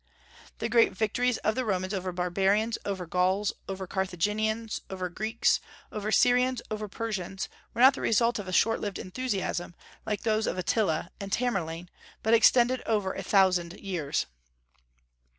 The great victories of the Romans over barbarians, over Gauls, over Carthaginians, over Greeks, over Syrians, over Persians, were not the result of a short lived enthusiasm, like those of Attila and Tamerlane, but extended over a thousand years.